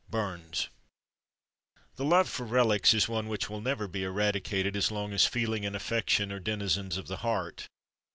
BURNS. [Illustration: T] The love for relics is one which will never be eradicated as long as feeling and affection are denizens of the heart.